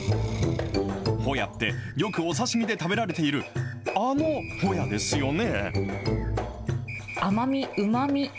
ほやって、よくお刺身で食べられている、あのほやですよね。